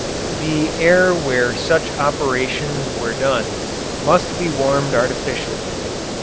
The air where such operations were done must be warmed artificially.